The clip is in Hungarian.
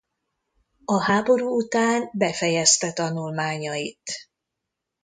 A háború után befejezte tanulmányait.